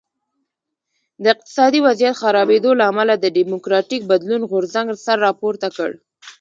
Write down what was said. د اقتصادي وضعیت خرابېدو له امله د ډیموکراټیک بدلون غورځنګ سر راپورته کړ.